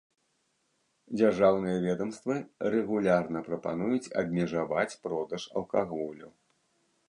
Дзяржаўныя ведамствы рэгулярна прапануюць абмежаваць продаж алкаголю.